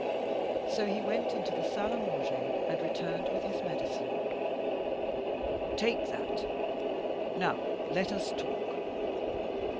So," he went into the salle 'a manger and returned with his medicine. "Take that. Now let us talk."